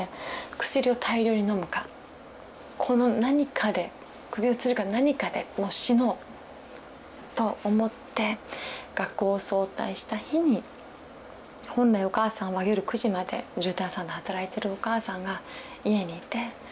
薬を大量に飲むかこの何かで首をつるか何かでもう死のうと思って学校を早退した日に本来お母さんは夜９時までじゅうたん屋さんで働いてるお母さんが家にいて。